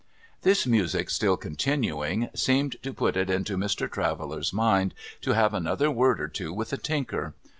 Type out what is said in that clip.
This music still continuing, seemed to put it into Mr. Traveller's mind to have another word or two with the Tinker.